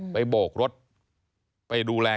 โบกรถไปดูแล